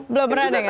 belum pernah denger